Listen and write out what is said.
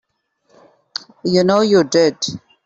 You know you did.